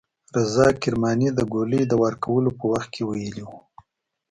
رضا کرماني د ګولۍ د وار کولو په وخت کې ویلي وو.